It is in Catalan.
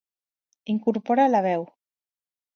Incorpora la veu.